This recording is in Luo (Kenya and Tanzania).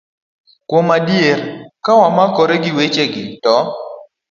Kuom adier, ka wamakore gi wechegi, to